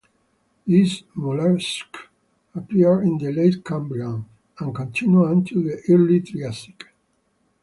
These mollusks appeared in the Late Cambrian and continued until the Early Triassic.